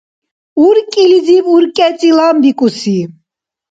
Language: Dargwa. Уркӏилизиб уркӏецӏи ламбикӏуси